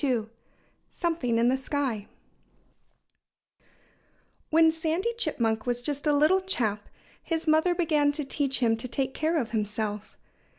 II SOMETHING IN THE SKY When Sandy Chipmunk was just a little chap his mother began to teach him to take care of himself.